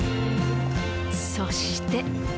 そして。